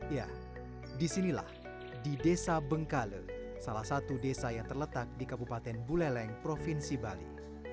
ya disinilah di desa bengkale salah satu desa yang terletak di kabupaten buleleng provinsi bali